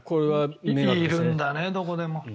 いるんだね、どこでも。